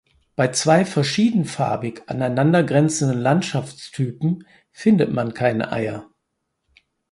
Bei zwei verschiedenfarbig aneinandergrenzenden Landschaftstypen findet man keine Eier.